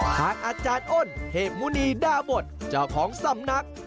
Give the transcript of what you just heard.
ทางอาจารย์อ้นเทพมุณีดาบทเจ้าของสำนัก